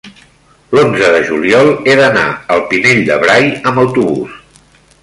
l'onze de juliol he d'anar al Pinell de Brai amb autobús.